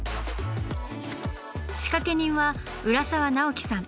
仕掛け人は浦沢直樹さん。